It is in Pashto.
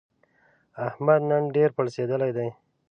احمد نن ډېر پړسېدلی دی.